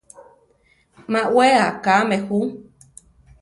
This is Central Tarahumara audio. Má wé akáme jú.